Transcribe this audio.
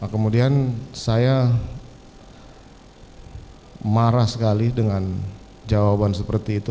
kemudian saya marah sekali dengan jawaban seperti itu